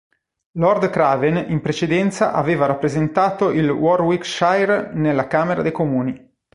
Lord Craven in precedenza aveva rappresentato il Warwickshire nella Camera dei comuni.